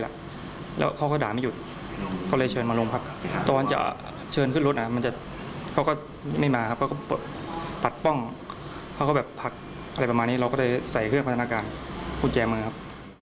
เราก็เลยใส้เครื่องพัฒนาการคุณแจมรอยครับ